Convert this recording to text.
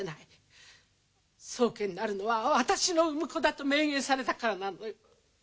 宗家になるのは私の産む子だと明言されたからなのよ。